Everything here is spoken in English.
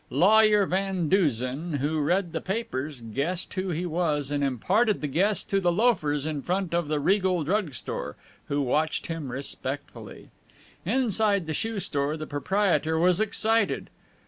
Lawyer Vanduzen, who read the papers, guessed who he was, and imparted the guess to the loafers in front of the Regal Drug Store, who watched him respectfully. Inside the shoe store, the proprietor was excited.